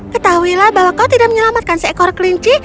ketahuilah bahwa kau tidak menyelamatkan seekor kelinci